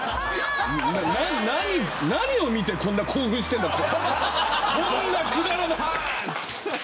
何を見てこんなに興奮しているんだと。